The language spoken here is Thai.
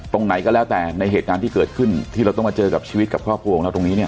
ตรงไหนก็แล้วแต่ในเหตุการณ์ที่เกิดขึ้นที่เราต้องมาเจอกับชีวิตกับครอบครัวของเราตรงนี้เนี่ย